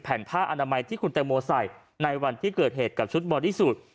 แผ่นผ้าอนามัยที่คุณแต่งโมใส่ในวันที่เกิดเหตุกับชุดบริสุทธิ์